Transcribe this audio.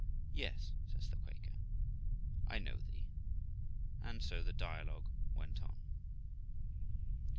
' Yes ', says the Quaker, 'I know thee.' And so the dialogue went on. Girl.